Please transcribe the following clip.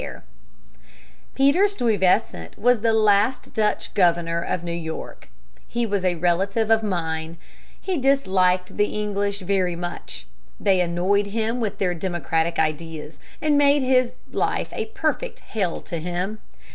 [Illustration: STUYVESANT'S VISION.] Peter Stuyvesant was the last Dutch governor of New York. He was a relative of mine. He disliked the English very much. They annoyed him with their democratic ideas and made his life a perfect hell to him.